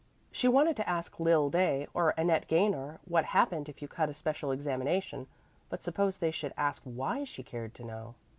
She wanted to ask Lil Day or Annette Gaynor what happened if you cut a special examination; but suppose they should ask why she cared to know?